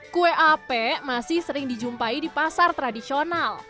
kue ape masih sering dijumpai di pasar tradisional